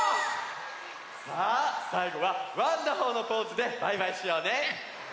さあさいごはワンダホーのポーズでバイバイしようね！